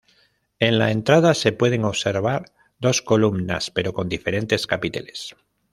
En la entrada se pueden observar dos columnas pero con diferentes capiteles.